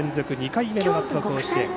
２回目の夏の甲子園。